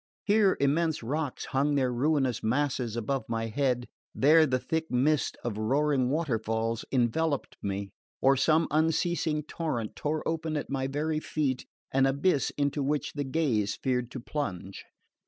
Here immense rocks hung their ruinous masses above my head; there the thick mist of roaring waterfalls enveloped me; or some unceasing torrent tore open at my very feet an abyss into which the gaze feared to plunge.